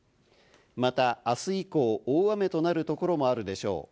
また、あす以降は大雨となるところもあるでしょう。